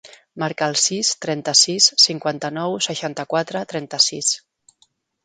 Marca el sis, trenta-sis, cinquanta-nou, seixanta-quatre, trenta-sis.